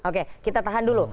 oke kita tahan dulu